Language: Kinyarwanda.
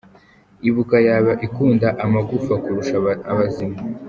Ibuka yaba ikunda amagufa kurusha abazima?